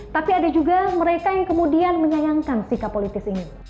tapi ada juga mereka yang kemudian menyayangkan sikap politis ini